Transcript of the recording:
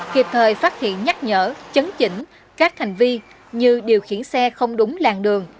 kịp thời phát hiện nhắc nhở chấn chỉnh các hành vi như điều khiển xe không đúng làng đường